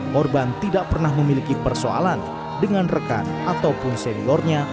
korban tidak pernah memiliki persoalan dengan rekan ataupun seniornya